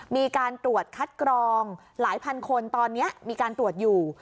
มีการตรวจคัดกรองหลายพันคนตอนนี้มีการตรวจอยู่